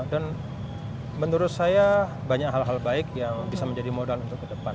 dan menurut saya banyak hal hal baik yang bisa menjadi modal untuk ke depan